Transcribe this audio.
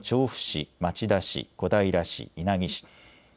東京の調布市、町田市、小平市稲城市。